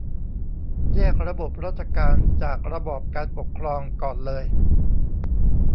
แยกระบบราชการจากระบอบการปกครองก่อนเลย